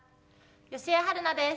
吉江晴菜です。